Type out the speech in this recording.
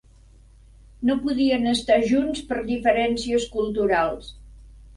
No podien estar junts per diferències culturals.